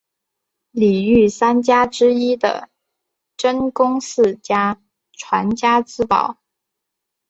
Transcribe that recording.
里御三家之一的真宫寺家传家之宝。